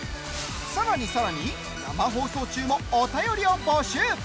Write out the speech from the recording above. さらにさらに生放送中もお便りを募集。